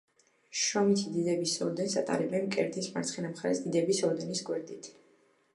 შრომითი დიდების ორდენს ატარებენ მკერდის მარცხენა მხარეს, დიდების ორდენის გვერდით.